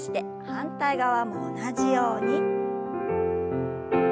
反対側も同じように。